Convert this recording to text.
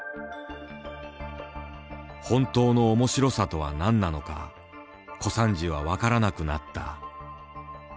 本当の面白さとは何なのか小三治は分からなくなった。